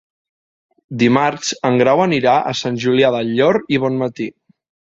Dimarts en Grau anirà a Sant Julià del Llor i Bonmatí.